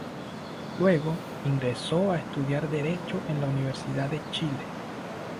Luego, ingresó a estudiar Derecho en la Universidad de Chile.